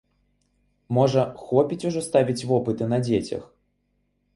Можа, хопіць ужо ставіць вопыты на дзецях?